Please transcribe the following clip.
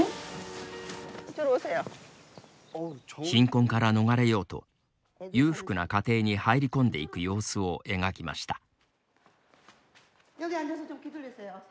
貧困から逃れようと裕福な家庭に入り込んでいく様子を描きました。